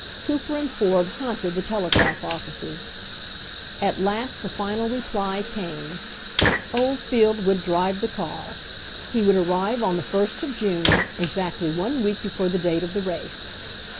Cooper and Ford haunted the telegraph offices. At last the final reply came. Oldfield would n8 HENRY FORD'S OWN STORY drive the car. He would arrive on the ist of June, exactly one week before the date of the race.